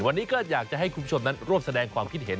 วันนี้ก็อยากจะให้คุณผู้ชมนั้นร่วมแสดงความคิดเห็น